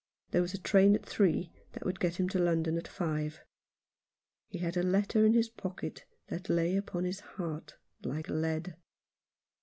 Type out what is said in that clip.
There was a train at three that would get him to London at five. He had a letter in his pocket that lay upon his heart like lead.